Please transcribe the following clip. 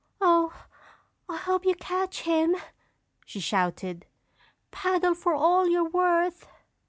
"Oh, I hope you catch him!" she shouted. "Paddle for all you're worth!"